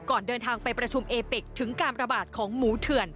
ก่อนเดินทางไปประชุมเอเป็กถึงการระบาดของหมูเถื่อน